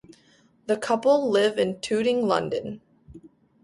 The couple live in Tooting, London.